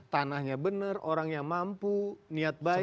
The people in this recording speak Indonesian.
tanahnya benar orangnya mampu niat baik